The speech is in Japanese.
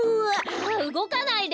あっうごかないで！